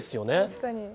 確かに。